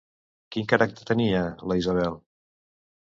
Quin caràcter tenia la Isabel?